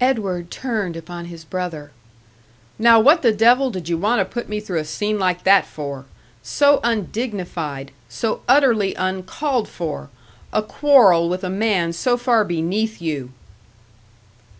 Edward turned upon his brother. "Now what the devil did you want to put me through a scene like that for? So undignified! So utterly uncalled for! A quarrel with a man so far beneath you!"